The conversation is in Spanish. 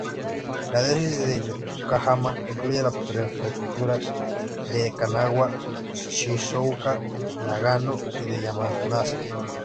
La diócesis de Yokohama incluye las prefecturas de Kanagawa, Shizuoka, Nagano, y de Yamanashi.